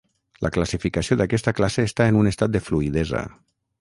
La classificació d'aquesta classe està en un estat de fluïdesa.